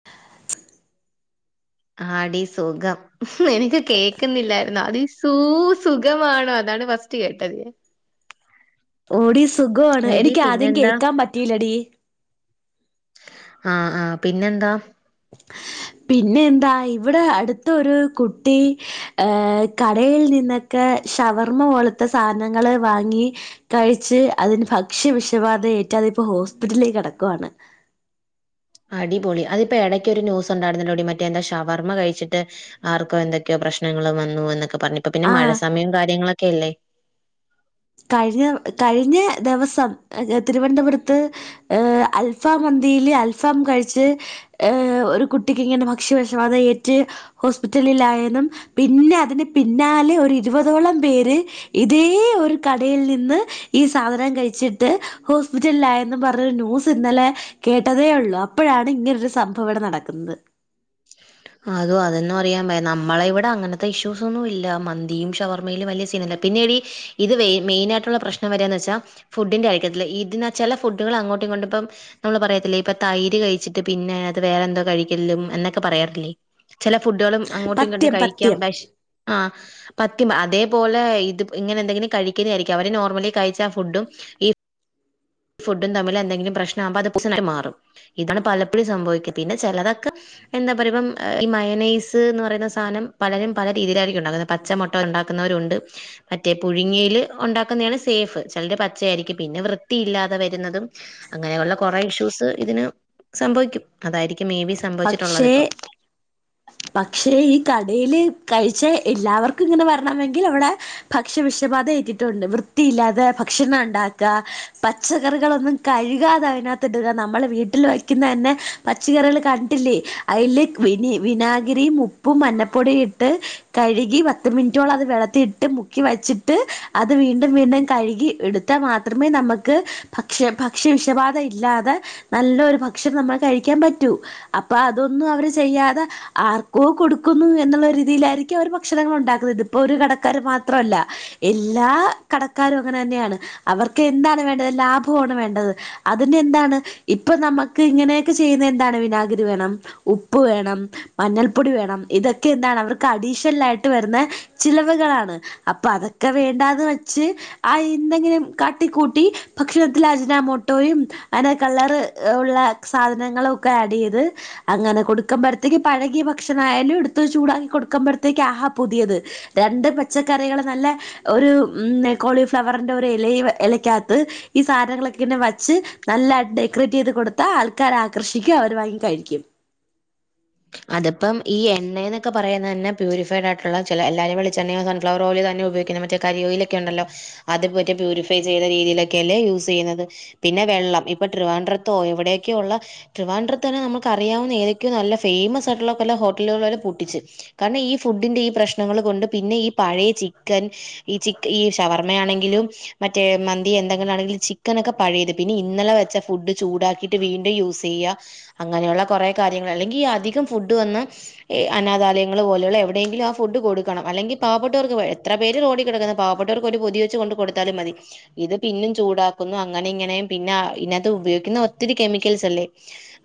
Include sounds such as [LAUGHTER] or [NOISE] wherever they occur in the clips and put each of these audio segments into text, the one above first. [INAUDIBLE] ആടി സുഖം നിനക്ക് കേക്കുന്നില്ലായിന്നോ അത് സൂ സുഖമാണോ അതാണ് ഫസ്റ്റ് കേട്ടത് ഓടി സുഖമാണ് എനിക്ക് ആദ്യം കേക്കാൻ പറ്റിലടി ആഹ ആഹ പിന്നെന്താ പിന്നെ എന്താ ഇവിടെ അടുത്തരു കുട്ടി അഹ് കടയിൽ നിന്ന് ക്കെ ഷവർമ്മ പോലത്തെ സാധനങ്ങൾ വാങ്ങി,, കഴിച്ച് അതിന് ഭക്ഷ്യ വിഷബാധയഏറ്റ അതിപ്പോ ഹോസ്പിറ്റലിൽ കിടക്കുവണ്. അടിപൊളി അതിപ്പോ ഇടയ്ക്കൊരു ന്യൂസ് ഉണ്ടായിന്നല്ലോടി മറ്റേ എന്താ ഷവർമ്മ കഴിച്ചിട്ട് ആർക്കോ എന്തൊക്കെയോ പ്രശ്നങ്ങൾ വന്നു എന്നൊക്കെ പറഞ്ഞു. ഇപ്പ പിന്നെ മഴ ആഹ് സമയം കാര്യങ്ങളൊക്കെ അല്ലേ. കഴിഞ്ഞ കഴിഞ്ഞ ദവസം തിരുവനന്തപുരത്ത് ഏഹ് അൽഫാം മന്തിയില് അൽഫാം കഴിച്ച് ഏഹ് ഒരു കുട്ടിക്ക് ഇങ്ങനെ ഭക്ഷ്യവിശവാത ഏറ്റ് ഹോസ്പിറ്റലിലായനം. പിന്നെ അതിന് പിന്നാലെ ഒരു ഇരുപതോളം പേര് ഇതേ ഒരു കടയിൽ നിന്ന് ഈ സാധനം കഴിച്ചിട്ട് ഹോസ്പിറ്റലിലായന്ന് പറഞ്ഞൊരു ന്യൂസ് ഇന്നലെ കേട്ടതേ ഉള്ളു അപ്പോഴാണ് ഇങ്ങനെരു സംഭവ ഇവിട നടക്കുന്നത്. അതോ അതന്നും അറിയൻ മേൽ. നമ്മള ഇവിടെ അങ്ങനത്തെ ഇഷ്യൂസൊന്നും ഇല്ല. മന്തിയും ഷവർമ്മയിലും വലിയ സീനല്ല. പിന്നീ ഇത് വേ മെയിൻ ആയിട്ടുള്ള പ്രശ്നം വരെന്ന് വെച്ചാൽ ഫുഡിന്റെ ആയിരിക്കത്തില്ല. ഇതിനാ ചെല ഫുഡുകൾ അങ്ങോട്ടും ഇങ്ങോട്ടും ഇപ്പം നമ്മള് പറയത്തില്ലെ. ഇപ്പൊ തൈര് കഴിച്ചിട്ട് പിന്നെ അത് വേറെ എന്തോ കഴിക്കലും എന്നൊക്കെ പറയാറില്ലേ ചെല ഫുഡുകളും അങ്ങോട്ടും ഇങ്ങട്ടും പത്യം കഴിക്കാം പത്യം ബെശ്റ്റ് ആഹ് പത്തി അതേപോലെ ഇത് ഇങ്ങനെ എന്തെങ്കിലും കഴിക്കല് ആയിരിക്കും. അവരെ നോർമലി കഴിച്ച ഫുഡും ഈ ഫുഡും തമ്മിൽ എന്തെങ്കിലും പ്രശ്നമാവുമ്പ അത് [UNINTELLIGIBLE] ആയി മാറും. ഇതാണ് പലപ്പൊഴും സംഭവിക്ക പിന്നെ ചെലതൊക്കെ എന്താ പറയുമ്പം ഈ മയനൈസ് എന്ന് പറയുന്ന സാനം പലരും പല രീതിയിലായിരിക്കും ഉണ്ടാകുന്നത് പച്ചമൊട്ട ഉണ്ടാക്കുന്നവരുണ്ട്. മറ്റേ പുഴുങ്ങിയിൽ ഉണ്ടാക്കുന്നേയാണ് സേഫ്. ചെലര് പച്ചയായിരിക്കും. പിന്നെ വൃത്തിയില്ലാ തെ വരുന്നതും അങ്ങനയുള്ള കുറെ ഇഷുസ് ഇതിന് സംഭവിക്കും. അതായിരിക്കും മേബി സ്‌ സംഭവിച്ചിട്ടുള്ളത് ഇപ്പൊ. പക്ഷെ ഈ കടയില് കഴിച്ച എല്ലാവർക്കും ഇങ്ങനെ വരണമെങ്കിൽ അവിടെ ഭക്ഷ്യവിഷബാധ ഏറ്റിട്ടുണ്ട്. വൃത്തിയില്ലാതെ ഭക്ഷണം ഉണ്ടാക്ക. പച്ചക്കറികളൊന്നും കഴുകാതെ അതിനകത്ത് ഇടുക. നമ്മളെ വീട്ടിൽ വയ്ക്കുന്നന്നെ പച്ചക്കറികൾ കണ്ടില്ലേ. അയില് വിനി വിനാഗിരിയും ഉപ്പും മഞ്ഞപ്പൊടിയും ഇട്ട് കഴുകി പത്ത് മിനിറ്റോളം അത് വെള്ളത്തി ഇട്ട് മുക്കി വെച്ചിട്ട് അത് വീണ്ടും വീണ്ടും കഴുകി എടുത് ത്ത മാത്രമേ നമുക്ക് ഭക്ഷ്യ ഭക്ഷ്യവിഷബാധ ഇല്ലാതെ നല്ലൊരു ഭക്ഷണം നമ്മൾ കഴിക്കാൻ പറ്റൂ. അപ്പൊ അതൊന്നും അവര് ചെയ്യാതെ ആർക്കോ കൊടുക്കുന്നു എന്നുള്ള രീതിയിലായിരിക്കും അവർ ഭക്ഷണങ്ങൾ ഉണ്ടാക്കുന്നത്. ഇത് ഇപ്പൊ ഒരു കടക്കാർ മാത്രമല്ല. എല്ലാ കടക്കാരും അങ്ങനെ ന്നെയാണ്. അവർക്ക് എന്താണ് വേണ്ടത് ലാഭവാണ് വേണ്ടത്. അതിന്റെ എന്താണ്. ഇപ്പൊ നമുക്ക് ഇങ്ങനെയൊക്കെ ചെയ്യുന്ന എന്താണ് വിനാഗിരി വേണം. ഉപ്പ് വേണം. മഞ്ഞൾപ്പൊടി വേണം. ഇതൊക്കെ എന്താണ് അവർക്ക് അഡീഷണൽ ആയിട്ട് വരുന്ന ചിലവുകളാണ്. അപ്പൊ അതൊക്കെ വേണ്ടാന്ന് വെച്ച് ആഹ് എന്തെങ്കിലും കാട്ടിക്കൂട്ടി ഭക്ഷണത്തിൽ അജനാമോട്ടോയും അങ്ങനെ കളർ ഉള്ള സാധനങ്ങൾ ഒക്കെ ആഡെയ്ത് അങ്ങനെ കൊടുക്കുമ്പോഴത്തേക്ക് പഴകിയ ഭക്ഷണയാലും എടുത്ത് ചൂടാക്കി കൊടുക്കുമ്പഴത്തേക്ക് ആഹാ പുതിയത് രണ്ട് പച്ചക്കറികൾ നല്ല ഒരു ഉം കോളിഫ്ലവറിന്റെ ഒരു എലേയ് ഇലയ്ക്കകത്ത് ഈ സാധനങ്ങളൊക്കെന്നെ വച്ച് നല്ലായിട്ട് ഡെക്കറേറ്റ് ചെയ്ത് കൊടുത്താ ആൾക്കാരെ ആകർഷിക്കും. അവർ വാങ്ങി കഴിക്കും. അതിപ്പ ഈ എണ്ണയെന്നൊക്കെ പറയുന്ന തന്നെ പ്യൂരിഫൈഡ് ആയിട്ടുള്ള ചെല എല്ലാവരും വെളിച്ചണ്ണയൊ സൺഫ്ലവർ ഓയിൽ തന്നെ ഉപയോഗിക്കുന്ന മ മറ്റേ കരി ഓയിലൊക്കെ ഉണ്ടല്ലോ. അത് മറ്റേ പ്യൂരിഫൈ ചെയ്ത രീതിയിലൊക്കെല്ലേ യൂസ് ചെയ്യുന്നത്. പിന്നെ വെള്ളം ഇപ്പൊ ട്രിവാൻഡ്രത്തോ എവിടെയൊക്കെയ ഉള്ള ട്രിവാൻഡ്ര തന്നെ നമുക്ക അറിയാവുന്ന ഏതൊക്കെയ നല്ല പേയ്മസ് ആയിട്ടുള്ളകൊല ഹോട്ടലുകൾ വരെ പൂട്ടിച്ച് കാരണം ഈ ഫുഡിന്റെ ഈ പ്രശ്നങ്ങൾ കൊണ്ട് പിന്നെ ഈ പഴയ ചിക്കൻ ഈ ചിക് ഈ ഷവർമ്മയാണെങ്കിലും മറ്റേ മന്തി എന്തെങ്കിലും ആണെങ്കിലും ചിക്കൻ ഒക്കെ പഴയത്. പിന്നെ ഇന്നലെ വെച്ച ഫുഡ് ചൂടാക്കിയിട്ട് വീണ്ടും യൂസെയ്യ. അങ്ങനെയുള്ള കുറേ കാര്യങ്ങൾ. അല്ലെങ്കി അധികം ഫുഡ് വന്ന് ഏഹ് അനാഥാലയങ്ങള് പോലെയുള്ള എവിടെയെങ്കിലും ആ ഫുഡ് കൊടുക്കണം. അല്ലെങ്കിൽ പാവപ്പെട്ടവർക്ക് എത്ര പേര് റോഡിൽ കിടക്കുന്നെ പാവപ്പെട്ടവർക്ക് ഒരു പൊതിയ് വെച്ച് കൊണ്ട് കൊടുത്താലും മതി. ഇത് പിന്നും ചൂടാക്കുന്നു. അങ്ങനെ ഇങ്ങനെയും പിന്നെ ഇതിനകത്ത് ഉപയോഗിക്കുന്ന ഒത്തിരി കെമിക്കൽസ് അല്ലേ.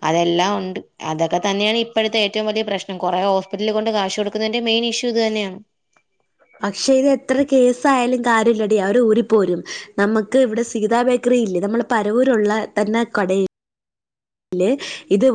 അതെല്ലാം ഉണ്ട് അതൊക്കെ തന്നെയാണ് ഇപ്പോഴത്തെ ഏറ്റോം വലിയ പ്രശ്നം കൊറേ ഹോസ്പിറ്റിൽ കൊണ്ട് കാശു കൊടുക്കുന്നതിന്റ മെയിൻ ഇഷൂ ഇത് തന്നെയാണ് പക്ഷേ ഇത് എത്ര കേസയാലും കാര്യമില്ലടി അവര് ഊരിപ്പോരും നമുക്ക് ഇവിടെ സീതാ ബേക്കറി ഇല്ലേ നമ്മള പരവൂരുള്ള തന്നെ കട യില് ഇത്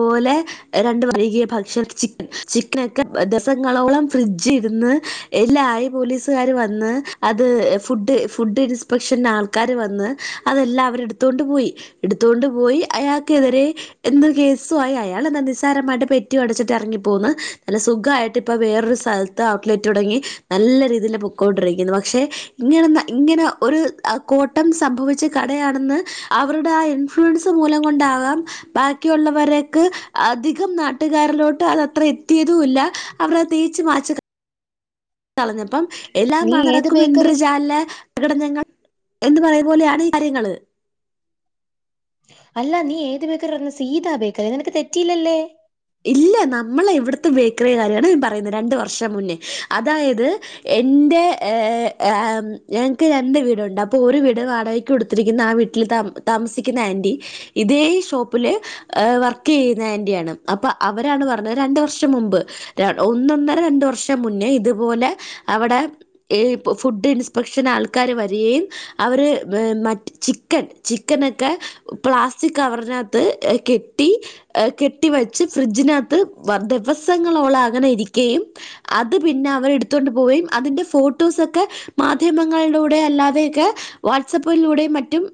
പോലെ ഏതാണ്ട് പഴകിയ ഭക്ഷണം ചിക്കൻ ചിക്കൻ ഒക്കെ ദിവസങ്ങളോളം ഫ്രിഡ്ജ് ഇരുന്ന് എല്ലയി പോലീസുകാർ വന്ന് അത് ഫുഡ് ഫുഡ് ഇൻസ്പെക്ഷൻ ആൾക്ക ആൾകാർ വന്ന് അതെല്ലാം അവർ എടുത്തോണ്ട് പോയി എടുത്തൊണ്ട് പോയി അയാൾക്കെതിരെ എന്ത് കേസ് മായി അയാൾ എന്താ നിസ്സാരമായിട്ട് പെറ്റി അടച്ചിട്ട് ഇറങ്ങിപ്പോന്ന് നല്ല സുഖമായിട്ട് ഇപ്പോ വേറൊരു അ ഔട്ട്ലെറ്റ് തുടങ്ങി നല്ല രീതിയിൽ പൊക്കൊണ്ടിരിക്കുന്ന പക്ഷേ ഇങ്ങനെന്ന ഇങ്ങനെ ഒരു കോട്ടം സംഭവിച്ച കടയാണെന്ന് അവരുടെ ആ ഇൻഫ്ലുവൻസ് മൂലം കൊണ്ടാകാം ബാക്കിയുള്ള അധികം നാട്ടുകാരിലോട്ട് അത് അത്ര എത്തിയതുമില്ല അവർ തേച്ച മാ കളഞ്ഞപ്പം എല്ലാം നീ ഏത് നടക്കും ബേക്കറി ഇന്ത്രജാല പ്രകടനങ്ങൾ എന്ന് പറയുന്ന പോലെയാണ് ഈ കാര്യങ്ങൾ അല്ല നീ ഏത് ബക്കറി പറഞ്ഞ സീതാ ബേക്കറി നിനക്ക് തെറ്റിയില്ലല്ലേ ഇല്ല നമ്മള ഇവിടുത്തെ ബക്കറി കാര്യമാണ് പറയുന്നത് രണ്ട് വർഷം മുന്നേ അതായത് എന്റെ ഞങ്ങൾക് രണ്ട് വീടുണ്ട് അപ്പൊ ഒരു വീട് വാടകയ്ക് കൊടുത്തിരിക്കുന്ന ആ വീട്ടിൽ ത താമസിക്കുന്ന ആന്റി ഇതേ ഷോപ്പില് വർക്ക് ചെയ്യുന്ന ആന്റിയാണ് അപ്പൊ അവരാണ് പറഞ്ഞത് രണ്ട് വർഷം മുമ്പ് ഒന്നൊന്നര രണ്ടു വർഷം മുന്നേ ഇതുപോലെ അവിടെ ഇപ്പോ ഫുഡ് ഇൻസ്പെക്ഷൻ ആൾക്കാർ വരികയും അവര് മറ്റ് ചിക്കൻ ചിക്കനൊക്കെ പ്ലാസ്റ്റിക് കവറിന് അകത്തു കെട്ടി കേ ട്ടി വെച്ച് ഫ്രിഡ്ജിനകത്ത് ദിവസങ്ങളോളം അങ്ങനെ ഇരിക്കുകയും അത് പിന്നെ അവർ എടുത്തൊണ്ട് പോവുകയും അതിന്റെ ഫോട്ടോസൊക്കെ മാധ്യമങ്ങളിലൂടെ അല്ലാതെയൊക്കെ വാട്സആപ്പിലൂടെ മറ്റും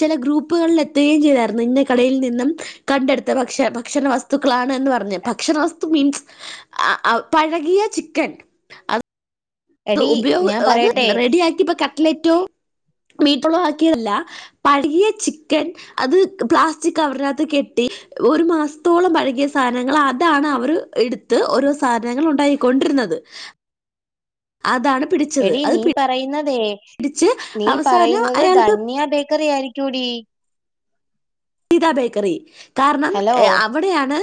ചില ഗ്രൂപ്പുകളിൽ എത്തുകയും ചെയ്തായിരുന്നു ഇന്നാ കടയിൽ നിന്നും കണ്ടെടുത്ത ഭക്ഷ ഭക്ഷണ വസ്തുക്കളാണ്ന്ന് പറഞ് ഭക്ഷണ വസ്തു മീൻസ് ആ പഴകിയ ചിക്കൻ അ എടി ഉപയോഗ ഞാൻ അത് പറയട്ടെ റെഡി ആക്കിപ്പോ കട്ട്ലറ്റോ മീട്രോളോ ആക്കിയതല്ല പഴകിയ ചിക്കൻ അത് പ്ലാസ്റ്റിക് കവറിനകത്ത് കെട്ടി ഒരു മാസത്തോളം പഴകിയ സാധനങ്ങൾ അതാണ് അവർ എടുത്ത് ഓരോ സാധനങ്ങൾ ഉണ്ടായി കൊണ്ടിരുന്നത് അതാണ് പിടിച്ച എടി നീ പറയുന്നതേ നീ അവസാനം പറയുന്നത് അയാൾക്ക് ധന്യ ബേക്കറി ആയിരിക്കും എടി ത ബേക്കറി കാരണം ഹലോ അവിടെയാണ്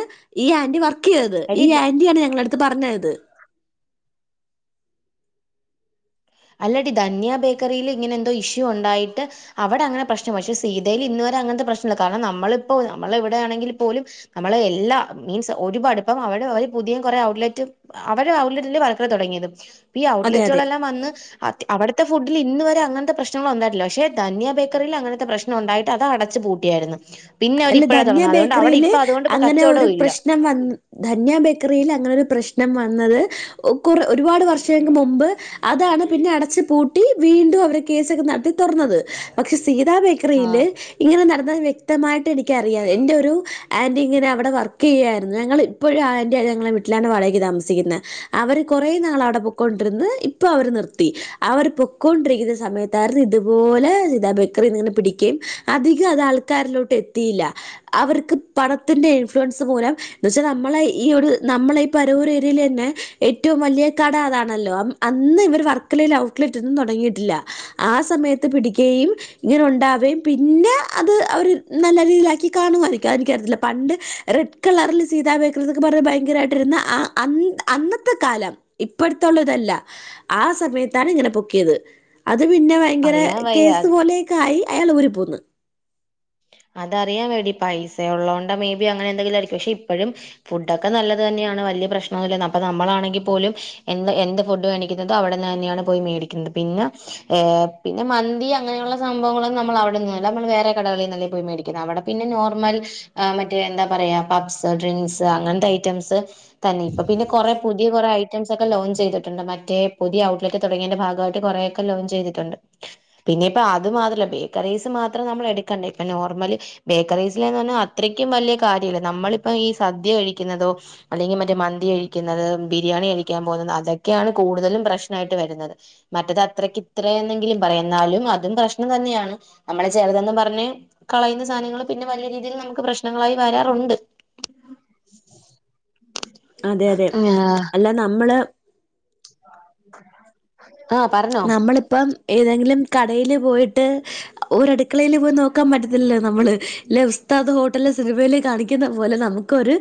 ഈ ആന്റി വർ ക്കിയത് എടി ഈ ധ- ആന്റിയാണ് ഞങ്ങളുടെ എടുത്തു പറഞ്ഞത് അല്ലടി ധന്യാ ബേക്കറിയിൽ ഇങ്ങനെ എന്തോ ഇഷ്യു ഉണ്ടായിട്ട് അവിടെ അങ്ങനെ പ്രശ്നം പക്ഷെ സീതയിൽ ഇന്നെ വരെ അങ്ങനത്തെ പ്രശ്നമില്ല കാരണം നമ്മളിപ്പോ നമ്മള എവിടെയാണെങ്കിൽ പോലും നമ്മള് എല്ലാ മീൻസ് ഒരുപാട് ഇപ്പം അവരുടെ അവര് പുതിയ കുറേ ഔട്ട്ലെറ്റും അവരുടെ ഔട്ടലെറ്റില് [UNINTELLIGIBLE] തുടങ്ങിയത് അപ്പൊ ഈ അതെ അതെ ഔട്ട്ലെറ്റുകളെല്ലാം വന്ന് അവിടുത്തെ ഫുഡിൽ ഇന്ന് വരെ അങ്ങത്തെ പ്രശ്നങ്ങൾ വന്നിട്ടില്ല പക്ഷെ ധന്യ ബേക്കറിൽ അങ്ങനത്തെ പ്രശ്നം ഉണ്ടായിട്ട് അത് അടച്ചു പൂട്ടിയായിരുന്നു പിന്നെ അവർ അല്ല ഇപ്പോഴാ ധന്യ തുറന്നത് അതുകൊണ്ട് അവിടെ ബേക്കറിയില് ഇപ്പൊ അതുകൊണ്ട് ഇപ്പൊ അങ്ങനെ ഒരു കച്ചവടവും ഇല്ല പ്രശ്നം വന്ന് ധന്യാ ബേക്കറിയിൽ അങ്ങനെ ഒരു പ്രശ്നം വന്നത് കുറ ഒരുപാട് വർഷങ്ങൾക്ക് മുമ്പ് അതാണ് പിന്നെ അടച്ചു പൂട്ടി വീണ്ടും അവർ കേസൊക്കെ നടത്തി തുറന്നത് പക്ഷെ സീതാ ആ [UNINTELLIGIBLE] ഇങ്ങനെ നടന്നത്വ്യക്തമായിട്ട് എനിക്കറിയാ എന്റെ ഒരു ആന്റി ഇങ്ങനെ അവിടെ വർക്ക് ചെയ്യുകായിരുന്നു ഞങ്ങൾ ഇപ്പോഴും ആൻ്റി ഞങ്ങളെ വി വീട്ടിലാണ് വാടകക്ക് താമസിക്കുന്നത് അവര് കൊറേ നാൾ അവിടെ പൊക്കൊണ്ടിരന്ന് ഇപ്പൊ അവര് നിർത്തി അവർ പൊക്കൊണ്ടിരിക്കുന്ന സമയത്തായിരുന്നു ഇതുപോലെ സീതാബേക്കറിിന്നിങ്ങനെ പിടിക്കുകയും അധികം അത് ആൾക്കാരിലോട്ട് എത്തിയില്ല അവർക്ക് പണത്തിന്റെ ഇൻഫ്ലുവൻസ് മൂലം എന്ന വെച്ചാൽ നമ്മളെ ഈ ഒരു പരവൂർഏരിയയിൽ തന്നെ ഏറ്റവും വലിയ കട അതാണല്ലോ അന്ന് ഇവർ വർക്കലയിൽ ഔട്ട്ലെറ്റ് ഒന്നും തുടങ്ങിയിട്ടില്ല ആ സമയത്ത് പിടിക്കയും ഇങ്ങനെ ഉണ്ടാവുകയും പിന്നെ അത് അവര് നല്ല രീതിയിലാക്കി കാണുമായിരിക്കും അ എനിക്കറിയത്തില്ല പണ്ട് റെഡ് കളറിൽ സീതാ ബേക്കറ എന്നൊക്കെ പറഞ്ഞാൽ ഭയങ്കരമായിട്ടിരുന്ന ആ അ അന്നത്തെ കാലം ഇപ്പോഴത്തുള്ളതല്ല ആ സമയത്താണ് ഇങ്ങനെ പൊക്കിയത് അത് പിന്നെ ഭയങ്കര അറിയാൻ വയ്യ കേസ് പോലെയക്കെ ആയി അയാൾ ഊരി പോന്ന് അതറിയൻ വേണ്ടി പൈസ ഉള്ളത കൊണ്ട് മേ ബി അങ്ങനെ എന്തെങ്കിലും ആയിരിക്കും പക്ഷെ ഇപ്പോഴും ഫുഡൊക്കെ നല്ലത് തന്നെയാണ് വല്ല്യ പ്രശ്നൊന്നുമ അപ്പൊ നമ്മളാണെങ്കിൽ പോലും എന്ത എന്ത് ഫുഡ് ഇന്നൊക്കെഅവി ടന്ന്തന്നെയാണ് പോയി മേടിക്കുന്നത് പിന്നെ പിന്നെ മന്തി അങ്ങനെയുള്ള സംഭവങ്ങളൊന്നുംഅവിടെൊന്നല്ല നമ്മൾ വേറെ കടകളിൽന്നല്ല പോയി മേടിക്കുന്നത് അവിടെന്നെ നോർമൽ ആ് മറ്റേ എന്താ പറയാ പബ്സ് ഡ്രിങ്ക്സ് അങ്ങനത്തെ ഐറ്റംസ് തന്നെ ഇപ്പൊ പിന്നെ കുറ പുതിയ കുറേ ഐറ്റംസ് ഒക്കെ ലോഞ്ച് ചെയ്തിട്ടുണ്ട് മറ്റേ പുതിയ ഔട്ട്ലെറ്റൊക്കെതുടങ്ങിയന്റെ ഭാഗമായിട്ട് കുറ പ്പം ലോഞ്ച്ചെയ്തിട്ടുണ്ട് പിന്നെ ഇപ്പ അത് മാത്രമല്ല ബേകറീസ് മാത്രം നമ്മൾ എടുക്കണ്ട ഇപ്പ നോർമല് ബേക്കറീസിലന്ന് പറഞ്ഞാൽ അത്രയ്ക്കും വലിയ കാര്യമില്ല നമ്മളിപ്പ ഈ സദ്യ കഴിക്കുന്നതോ അല്ലെങ്കിൽ മറ്റേ മന്തി കഴിക്കുന്നത് ബിരിയാണി കഴിക്കാൻ പോകുന്നത് അതൊക്കെയാണ് കൂടുതലും പ്രശ്നമായിട്ട് വരുന്നത് മറ്റത് അത്രക്ക് ഇത്ര എന്നെങ്കിലും പറയുന്നാലും അതും പ്രശ്നം തന്നെയാണ് നമ്മളെ ചെറുതന്നും പറ [UNINTELLIGIBLE] കളയുന്ന സാധനങ്ങള്ൾ പിന്നെ വല രീതിയിൽ നമുക്ക് പ്രശ്നങ്ങളായി വരാറുണ്ട് അതെ അതെ അല്ല നമ്മള് ആ [UNINTELLIGIBLE] നമ്മളിപ്പം ഏതെങ്കിലും കടയില് പോയിട്ട് ഓലടുക്കളയിയില് പോയി നോക്കാൻ പറ്റത്തില്ലല്ലോ നമ്മള് ല്ലേ ഉസ്താദ് ഹോട്ടൽ സിനിമൽ കാണിക്കുന്ന പോലെ നമുക്ക് ഒരു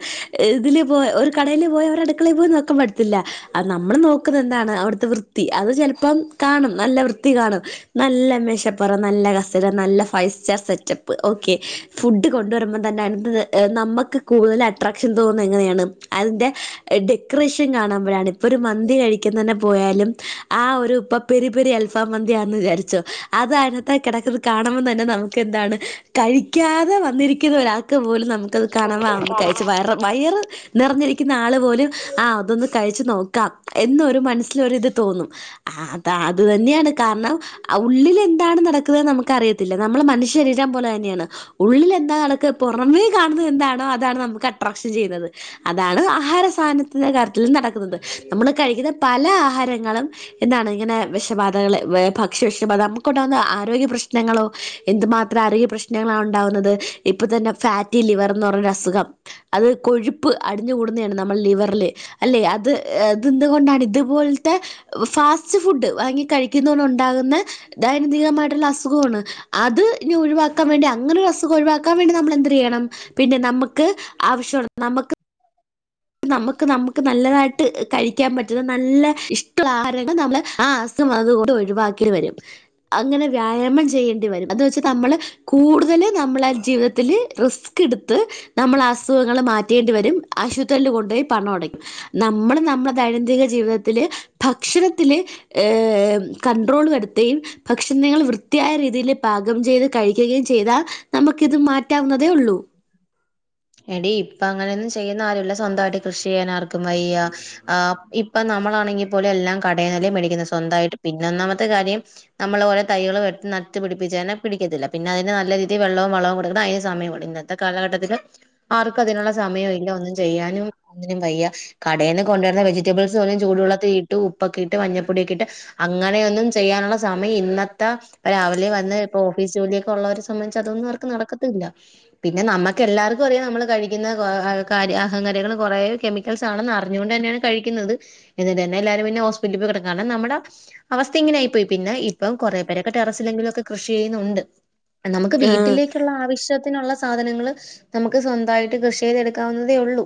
ഇതില് പോ ഒരു കടേൽ പോയ ഓരട് ക്കളയിയില് പോയി നോക്കൻ പറ്റത്തില്ല അത് നമ്മള് നോക്കുന്നത് എന്താണ് അവിടു വൃത്തി അത് ചിലപ്പം കാണും നല്ല വൃത്തി കാണും നല്ല മശപ്പുറം നല്ല കസേര നല്ല five star setup okay food കൊണ്ടുവരുമ്പൾ തന്നെ അതിന നമുക്ക് കൂടുതൽ അട്രാക്ഷൻ തോന്നുന്നത് എങ്ങനെയാണ് അതിൻ്റെ ഡെക്കറേഷൻ കാണുമ്പോഴാണ് ഇപ്പൊ ഒരു മന്തി കഴിക്കൻ തന്നെ പോയാലും ആ ഒരു പ്പം പെരി പെരി അൽഫാം മന്തിയാന്ന് വിചാരിച്ചോ അത് അടുത്ത്കിടക്കുന്നത് കാണുമ്പതന്നെ നമുക്ക് എന്താണ് കഴിക്കാതെ വന്നിരിക്കുന്ന ഒരാൾക്ക് പോലും നമുക്കത് കാണാമന്ന് കഴിച്ചു വയറ വയറ് നിറഞ്ഞിരിക്കുന്ന ആള് പോലും ആ അതൊന്ന് കഴിച്ചു നോക്കാം എന്നൊരു മനസ്സിലൊരിത് തോന്നും ആ അതാ അത് തന്നെയാണ് കാരണം ആ ഉള്ളിൽ എന്താണ് നടക്കുന്നതന്ന്നമുക്ക് അറിയത്തില്ല നമ്മളെ മനുഷ്യ ശരീരം പോലെ തന്നെയാണ് ഉള്ളിൽ എന്താ നടക്കപുറമേ കാണുന്നത് എന്താണോ അതാണ് നമുക്ക് അട്രാക്ഷൻ ചെയ്യുന്നത് അതാണ് ആഹാര സാധന ത്തിന്റെ കാര്യത്തി നടക്കുന്നത് നമ്മള് കഴിക്കുന്ന പല ആഹാരങ്ങളും എന്താണ്? ഇങ്ങനെ വിഷബാധകൾ ഭക്ഷ്യ വിഷബാധ നമുക്കുണ്ടാകുന്ന ആരോഗ്യ പ്രശ്നങ്ങളോ എന്തുമാത്രം ആരോഗ്യ പ്ര്രശ്ന പ്രശ്നങ്ങളാണ് ഉണ്ടാകുന്നത് ഇപ്പൾ തന്നെ ഫാറ്റി ലിവർന്ന് പറഞ്ഞ അസുഖം അത് കൊഴുപ്പ് അടിഞ്ഞു കൂടുന്നതാണ് നമ്മളെ ലിവറിില് അല്ലെ അത് അതന്തുകൊണ്ടാണ് ഇതുപോലത്തെ ഫാസ് [UNINTELLIGIBLE] ഫുഡ് വാങ്ങി കഴിക്കുന്ന തോണ്ട്ണ്ടാകുന്ന ദൈനംദിനമായിട്ടുള്ള അസുഖമാണ് അത് ഇഞ ഒഴിവാക്കി ആക്കാൻ വേണ്ടി അങ്ങനെയൊരസുഖം ഒഴിവാാൻ വേണ്ടിനമ്മൾ എന്ത് ചെയ്യണം പിന്നെ നമുക്ക് ആവശ്യുള്ള നമുക്ക് നമുക്ക് നമുക്ക് നല്ലതായിട്ട് കഴിക്കാൻ പറ്റുന്ന നല്ല ഇഷ്ടുള്ള ന ആ അസുഖം അതുക ഒഴിവാക്കേി വരും അങ്ങനെ വ്യായാമം ചെയ്യേണ്ടി വരും എന്ന് വെച്ചാ നമ്മള് കൂടുതൽ നമ്മള ജീവിതത്തിൽ റിസ്ക് എടുത്ത് നമ്മൾ അസുഖങ്ങൾ മാറ്റേണ്ടി വരും ആശുപത്രിയില് കൊണ്ടുപോയി പണം അടയ്ക്കും നമ്മൾ നമ്മ ദൈനംദിന ജീവിതത്തില് ഭക്ഷണത്തില് കൺണ്ട്രോള് വരുത്തുകയും ഭക്ഷണങ്ങൾ വൃത്തിയായ രീതിയിൽ പാകം ചെയ്ത് കഴിക്കുകയും ചെയ്താ നമുക്കിത് മാറ്റാവുന്നതേ ഉള്ളൂ എടി ഇപ്പൊ അങ്ങനെയൊന്നും ചെയ്യുന്ന ആരുംല്ല സ്വന്തമായിട്ട് കൃഷി ചെയ്യാനാർക്കും വയ്യ ആഹ് ഇപ്പ നമ്മളാണെങ്കിൽ പോലും എല്ലാം കടേന്നല്ലേ മേടിക്കുന്നത് സ്വന്തമായിട്ട് പിന്നെ ഒന്നാമത്തെ കാര്യം നമ്മളോരോ തൈകള് വെ് നട്ടു പിടിപ്പിച്ച തന്ന പിടിക്കത്തില്ല പിന്നെ അതിന് നല്ല രീതിൽ വെള്ളവും വളവും കൊടുക്കണം അതിന് സമയം എട് ഇന്നത്തെ കാലഘട്ടത്തില് ആർക്കും അതിനുള്ള സമയം ഇല്ല ഒന്നും ചെയ്യാനും ഒന്നിനും വയ്യ കടേന്ന് കൊണ്ടുവരുന്ന വെജറ്റബിൾസ് പോലും ചൂടുവെള്ളത്തി ഇട്ട് ഉപ്പൊക്കെ ഇട്ട് മഞ്ഞപ്പൊടിയോക്കെ ഇട്ട് അങ്ങനെയൊന്നും ചെയ്യാനുള്ള സമയം ഇന്നത്തെ പ്പ രാവിലെ വന്ന് ഇപ്പൊ ഓഫീസ് ജോലിയൊക്കെ ഉള്ളവരെ സംബന്ധിച്ച് അതൊന്നും അവർക്ക് നടക്കത്തില്ല. പിന്നെ നമ്മുക്ക് എല്ലാർ ക്കറിയാ നമ്മൾ കഴിക്കുന്ന അഹങ്കാരികൾ കുറേ കെമിക്കൽസ് ആണെന്ന് അറിഞ്ഞുകൊണ്ട് തന്നെയാണ് കഴിക്കുന്നത്. എന്നിട്ടന്ന എല്ലാരും പിന്നെ ഹോസ്പിറ്റിൽ പോയി കിടക്കണം നമ്മുടെ അവസ്ഥ ഇങ്ങനൊയി പോയി പിന്നെ ഇപ്പം കുറേ പേരൊക്കെ ടെറസിലെങ്കിലുമൊക്കെ കൃഷി ചെയ്യുന്നുണ്ട്. നമുക്ക് ആ വീട്ടിലേക്കുള്ള ആവശ്യത്തിനുള്ള സാധനങ്ങള് നമുക്ക് സ്വന്തമായിട്ട് കൃഷി ചെയ്തെടുക്കാവുന്നതേ ഉള്ളൂ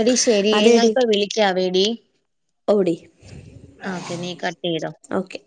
എടി ശെരിയേ അതേടി ഞാനിപ്പ വിളിക്കാവേടി. ഓടി. ആഹ് ഓക്കെ നീ കട്ട് ചെയ്തോ. ഓക്കെ.